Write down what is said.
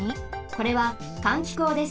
これは換気口です。